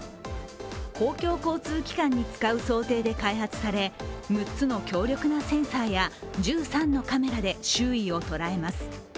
公共交通機関に使う想定で開発され６つの強力なセンサーや１３のカメラで周囲を捉えます。